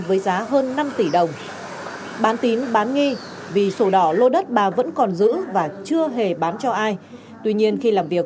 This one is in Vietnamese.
với giá hơn năm tỷ đồng bán tín bán nghi vì sổ đỏ lô đất bà vẫn còn giữ và chưa hề bán cho ai tuy nhiên khi làm việc